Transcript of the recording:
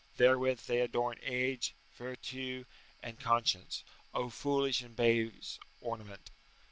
Therewith they adorne age, vertue, and conscience. Oh foolish and base ornament!"